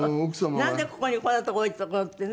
「なんでここにこんな所置いておくの」ってね